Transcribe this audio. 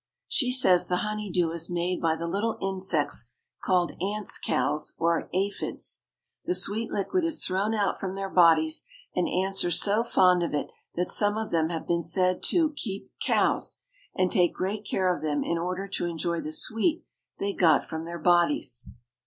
She says the honey dew is made by the little insects called ants' cows or aphides. The sweet liquid is thrown out from their bodies, and ants are so fond of it that some of them have been said to keep "cows" and take great care of them in order to enjoy the sweet they get from their bodies.